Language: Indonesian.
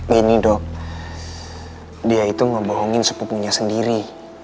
ini dok dia itu ngebohongin sepupunya sendiri